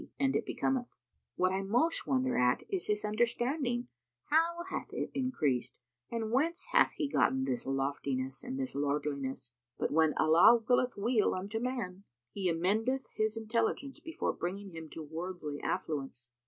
and it becometh; what I most wonder at is his understanding, how it hath increased, and whence he hath gotten this loftiness and this lordliness; but, when Allah willeth weal unto a man, He amendeth his intelligence before bringing him to worldly affluence."